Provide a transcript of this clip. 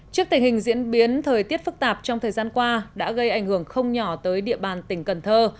trước tình hình diễn biến thời tiết phức tạp trong thời gian qua đã gây ảnh hưởng không nhỏ tới địa bàn tỉnh cần thơ